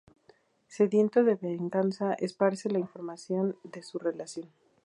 Sediento de venganza esparce la información de su relación.